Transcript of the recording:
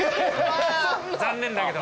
残念だけど。